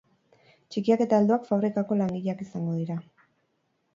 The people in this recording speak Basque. Txikiak eta helduak fabrikako langileak izango dira.